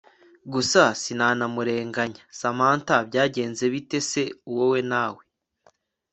gusa sinanamurenganyaSamantha byagenze bite se wowe nawe